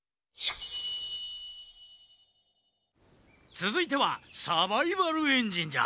つづいては「サバイバルエンジン」じゃ。